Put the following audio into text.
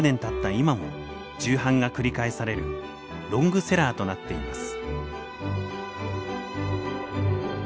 今も重版が繰り返されるロングセラーとなっています。